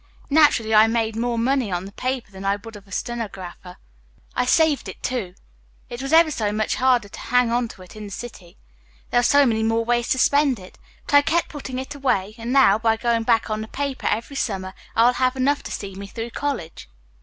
"Naturally, I made more money on the paper than I would as a stenographer. I saved it, too. It was ever so much harder to hang on to it in the city. There were so many more ways to spend it. But I kept on putting it away, and, now, by going back on the paper every summer, I will have enough to see me through college."